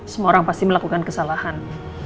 semua orang pasti melakukan kesalahan